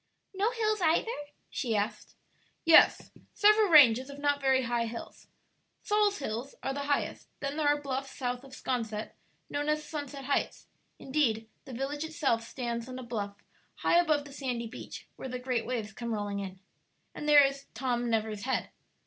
"No hills either?" she asked. "Yes, several ranges of not very high hills; Saul's Hills are the highest; then there are bluffs south of 'Sconset known as Sunset Heights; indeed, the village itself stands on a bluff high above the sandy beach, where the great waves come rolling in. And there is 'Tom Never's Head.'